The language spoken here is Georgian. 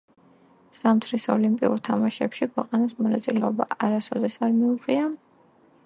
ზამთრის ოლიმპიურ თამაშებში ქვეყანას მონაწილეობა არასოდეს არ მიუღია.